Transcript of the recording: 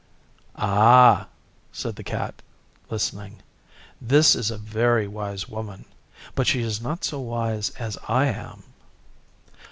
'Ah!' said the Cat, listening. 'This is a very wise Woman, but she is not so wise as I am.